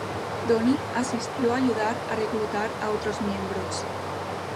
Donnie asistió para ayudar a reclutar a otros miembros.